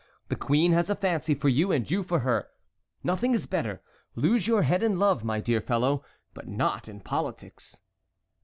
The queen has a fancy for you, and you for her. Nothing is better. Lose your head in love, my dear fellow, but not in politics."